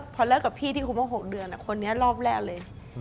พอเลิกกับพี่ที่คบมา๖เดือนคนนี้รอบแรกเลย